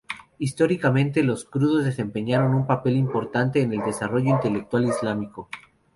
Históricamente, los kurdos desempeñaron un papel importante en el desarrollo intelectual islámico.